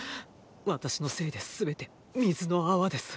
私のせいで全て水の泡です。